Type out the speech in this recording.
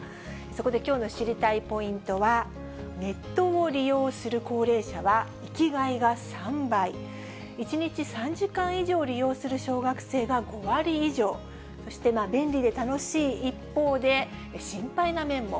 そこできょうの知りたいポイントは、ネットを利用する高齢者は生きがいが３倍、１日３時間以上利用する小学生が５割以上、そして便利で楽しい一方で、心配な面も。